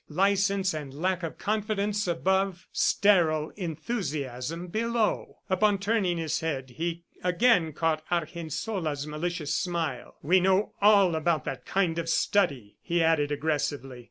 License and lack of confidence above sterile enthusiasm below." Upon turning his head, he again caught Argensola's malicious smile. "We know all about that kind of study," he added aggressively.